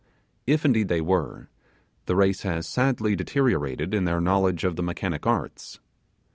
If indeed they were, the race has sadly deteriorated in their knowledge of the mechanic arts.